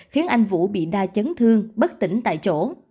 khiến anh vũ bị đa chấn thương bất tỉnh tại chỗ